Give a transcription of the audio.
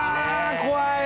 怖い！